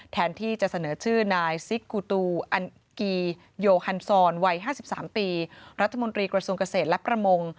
แทนที่จะเสนอชื่อนายซิกกูตูอันกีโยฮันซอนวัย๕๓ปีรัฐมนตรีกระทรวงเกษตรและประมง